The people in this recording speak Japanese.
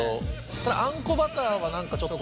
ただあんこバターは何かちょっと。